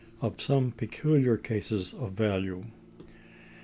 Of Some Peculiar Cases Of Value.